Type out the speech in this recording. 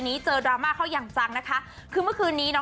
เจอดราม่าเข้าอย่างจังนะคะคือเมื่อคืนนี้เนาะ